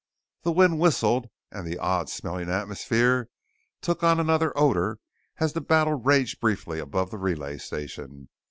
The wind whistled and the odd smelling atmosphere took on another odor as the battle raged briefly above the relay station.